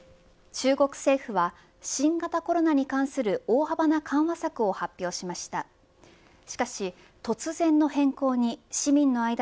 中国政府は新型コロナに関する大幅な緩和策を発表しました。